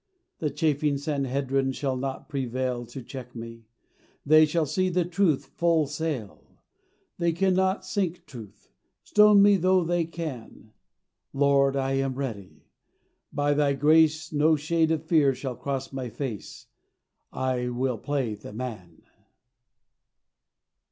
This chafing Sanhedrin shall not prevail To check me. They shall see the truth full sail; They cannot sink truth, stone me though they can. Lord, I am ready. By thy grace No shade of fear shall cross my face, And I will play the man.